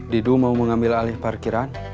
didu mau mengambil alih parkiran